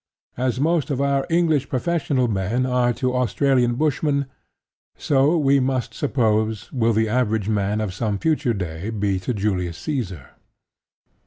As most of our English professional men are to Australian bushmen, so, we must suppose, will the average man of some future day be to Julius Caesar.